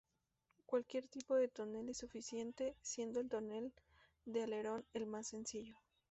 Cualquier tipo de tonel es suficiente, siendo el tonel de alerón el más sencillo.